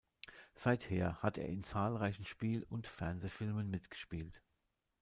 Seither hat er in zahlreichen Spiel- und Fernsehfilmen mitgespielt.